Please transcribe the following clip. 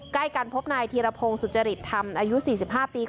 ใกล้การพบนายธีรพงศ์สุจริตทำอายุสี่สิบห้าปี